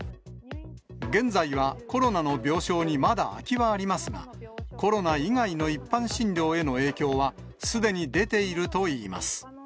現在はコロナの病床にまだ空きはありますが、コロナ以外の一般診療への影響はすでに出ているといいます。